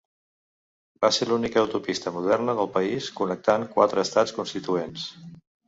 Va ser l'única autopista moderna del país, connectant quatre estats constituents.